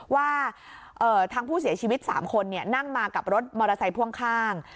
ว่าทางผู้เสียชีวิต๓คนนั่งมากับรถมอเตอร์ไซค์พ่วงข้าง